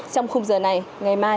trong khung giờ này ngày mai